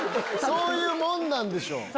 そういうもんなんでしょ。